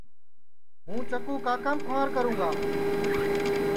ہوں چکُو کاکام کُھنٚار کروں گا